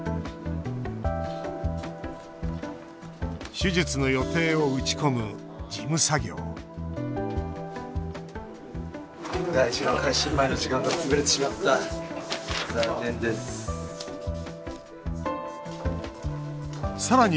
手術の予定を打ち込む事務作業さらに